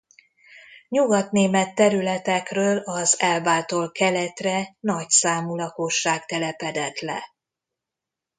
Nyugat-német területekről az Elbától keletre nagyszámú lakosság telepedett le.